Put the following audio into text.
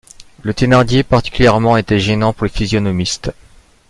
Le Thénardier particulièrement était gênant pour le physionomiste.